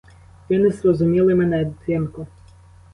Ви не зрозуміли мене, дитинко.